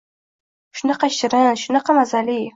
Shunaqa shirin, shunaqa mazali!